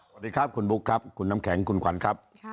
สวัสดีครับคุณบุ๊คครับคุณน้ำแข็งคุณขวัญครับ